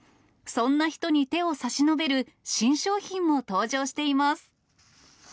そんな人に手を差し伸べる、新商品も登場しています。